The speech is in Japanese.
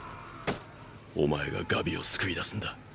お前がガビを救い出すんだ。